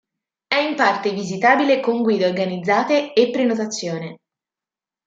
È in parte visitabile con guide organizzate e prenotazione.